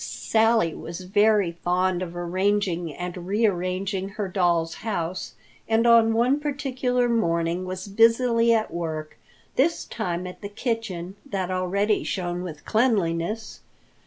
Sally was very fond of arranging and re arranging her doll's house, and on one particular morning was busily at work, this time at the kitchen that already shone with cleanliness.